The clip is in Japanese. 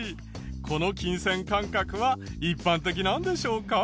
この金銭感覚は一般的なんでしょうか？